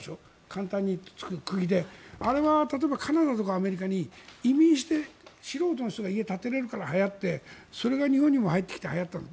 簡単にくぎで作るあれは例えばカナダとかアメリカに移民して素人の人が家を建てれるからはやってそれが日本にも入ってきてはやったの。